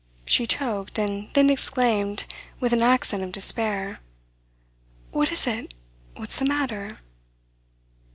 She choked, and then exclaimed, with an accent of despair: "What is it? What's the matter?"